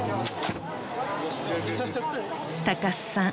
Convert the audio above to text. ［高須さん